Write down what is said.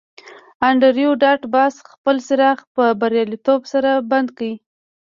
انډریو ډاټ باس خپل څراغ په بریالیتوب سره بند کړ